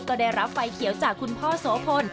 ก็ได้รับไฟเขียวจากคุณพ่อโสพล